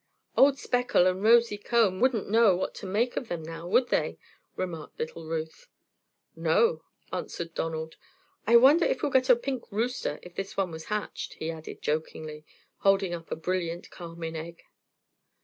"Old Speckle and Rosy Comb wouldn't know what to make of them now, would they?" remarked little Ruth. "No," answered Donald, "I wonder if we'd get a pink rooster if this one was hatched!" he added, jokingly, holding up a brilliant carmine egg.